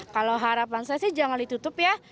kalau harapan saya sih jangan ditutup ya